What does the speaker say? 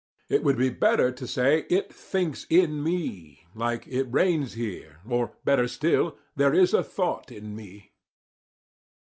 It would be better to say "it thinks in me," like "it rains here"; or better still, "there is a thought in me."